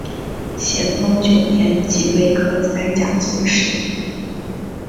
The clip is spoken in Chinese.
咸丰九年己未科三甲进士。